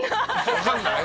わかんない？